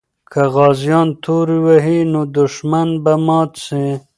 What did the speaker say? که غازیان تورو وهي، نو دښمن به مات سي.